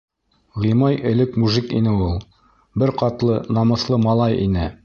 — Ғимай элек мужик ине ул. Бер ҡатлы, намыҫлы малай ине.